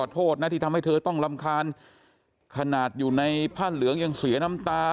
โทษนะที่ทำให้เธอต้องรำคาญขนาดอยู่ในผ้าเหลืองยังเสียน้ำตา